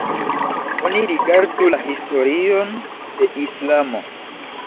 Oni rigardu la historion de islamo.